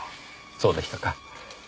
そうでしたか。